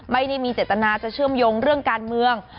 ไม่ได้มีเจตนาจะเชื่อมโยงเรื่องการเมือง